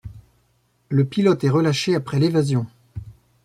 Le pilote est relâché après l'évasion.